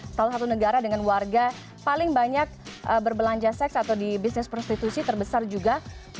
salah satu negara dengan warga paling banyak berbelanja seks atau di bisnis prostitusi terbesar juga